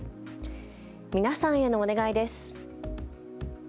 皆さんへのお願いです。